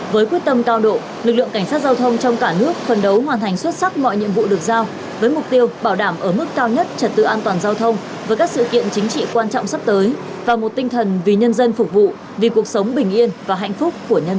với quyết tâm cao độ lực lượng cảnh sát giao thông trong cả nước phấn đấu hoàn thành xuất sắc mọi nhiệm vụ được giao với mục tiêu bảo đảm ở mức cao nhất trật tự an toàn giao thông với các sự kiện chính trị quan trọng sắp tới và một tinh thần vì nhân dân phục vụ vì cuộc sống bình yên và hạnh phúc của nhân dân